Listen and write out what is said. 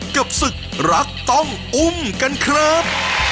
กับศึกรักต้องอุ้มกันครับ